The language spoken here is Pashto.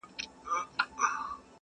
o چي تيار دي، هغه د يار دي!